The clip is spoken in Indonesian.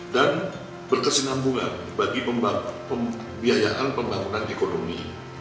dan berkesinambungan bagi pembiayaan pembangunan ekonomi